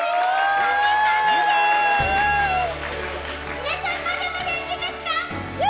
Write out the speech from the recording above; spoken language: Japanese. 皆さん、まだまだいけますか？